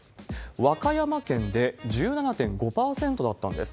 和歌山県で１７．５％だったんです。